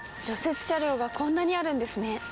雪車両がこんなにあるんですね。